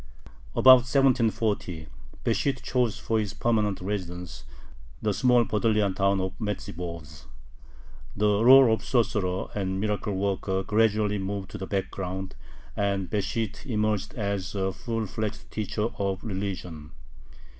About 1740 Besht chose for his permanent residence the small Podolian town of Medzhibozh. The rôle of sorcerer and miracle worker gradually moved to the background, and Besht emerged as a full fledged teacher of religion.